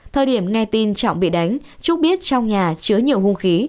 thời điểm nghe tin trọng bị đánh trúc biết trong nhà chứa nhiều hung khí